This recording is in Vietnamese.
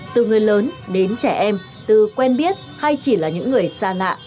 từ người lớn đến trẻ em từ quen biết hay chỉ là những người xa lạ